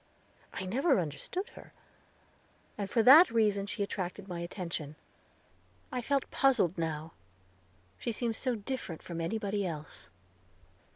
I never understood her, and for that reason she attracted my attention. I felt puzzled now, she seemed so different from anybody else.